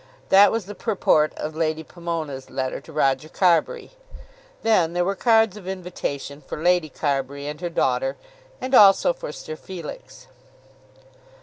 That was the purport of Lady Pomona's letter to Roger Carbury. Then there were cards of invitation for Lady Carbury and her daughter, and also for Sir Felix.